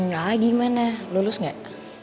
gak lagi men ya lulus nggak